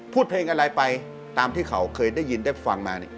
พูดเพลงอะไรไปตามที่เขาเคยได้ยินได้ฟังมา